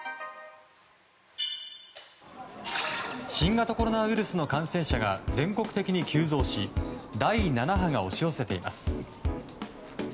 新型コロナウイルスの感染者が全国的に急増し第７波が押し寄せています。